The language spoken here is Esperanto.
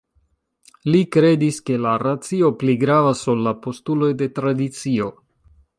Li kredis ke la racio pli gravas ol la postuloj de tradicio.